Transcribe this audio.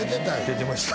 出てました